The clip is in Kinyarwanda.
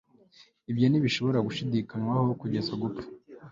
ibyo ntibishobora gushidikanywaho kugeza gupfa